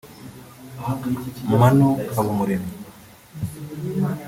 Manu Habumuremyi